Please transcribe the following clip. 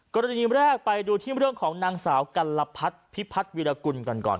กรณีแรกไปดูที่เรื่องของนางสาวกัลพัฒน์พิพัฒน์วิรกุลกันก่อน